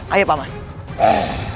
kau tidak bisa mencari kursi ini